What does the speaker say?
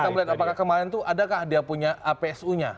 kemudian apakah kemarin itu adakah dia punya apsu nya